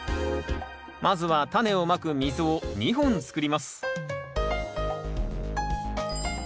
まずはタネをまく溝を２本つくります